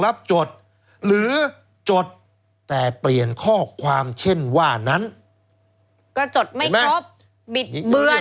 จดหรือจดแต่เปลี่ยนข้อความเช่นว่านั้นก็จดไม่ครบบิดเบือน